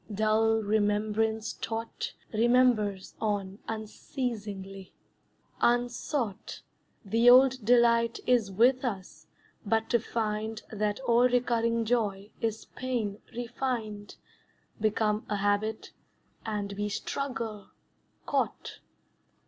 Dull remembrance taught Remembers on unceasingly; unsought The old delight is with us but to find That all recurring joy is pain refined, Become a habit, and we struggle, caught.